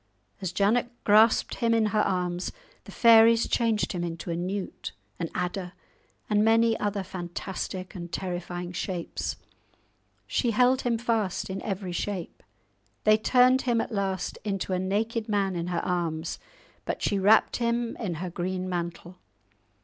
As Janet grasped him in her arms the fairies changed him into a newt, an adder, and many other fantastic and terrifying shapes. She held him fast in every shape. They turned him at last into a naked man in her arms, but she wrapped him in her green mantle.